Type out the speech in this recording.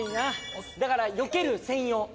だからよける専用。